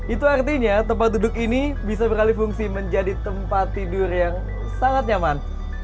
itu artinya tempat duduk ini bisa beralih fungsi menjadi tempat tidur yang sangat nyaman